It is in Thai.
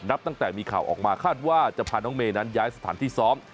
ตั้งแต่มีข่าวออกมาคาดว่าจะพาน้องเมย์นั้นย้ายสถานที่ซ้อม